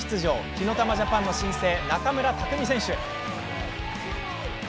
火ノ玉ジャパンの新星中村拓海選手。